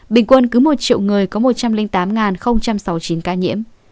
bình quân cứ một triệu người có một trăm linh tám sáu mươi chín ca nhiễm